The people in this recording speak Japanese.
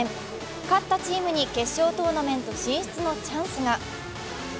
勝ったチームに決勝トーナメント進出のチャンスが。